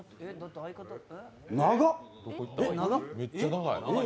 長っ！